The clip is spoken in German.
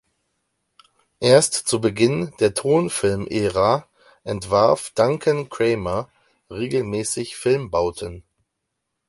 Erst zu Beginn der Tonfilmära entwarf Duncan Cramer regelmäßig Filmbauten.